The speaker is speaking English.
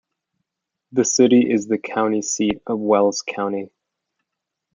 The city is the county seat of Wells County.